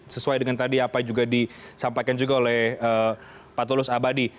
sesuai dengan tadi apa juga disampaikan juga oleh pak tulus abadi